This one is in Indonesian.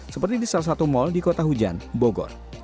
seperti di salah satu mal di kota hujan bogor